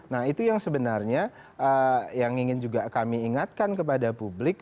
nah itu yang sebenarnya yang ingin juga kami ingatkan kepada publik